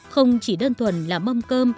không chỉ đơn thuần là mâm cỗ